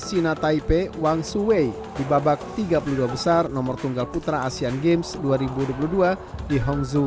china taipei wang suwe dibabak tiga puluh dua besar nomor tunggal putra asean games dua ribu dua di hongzhou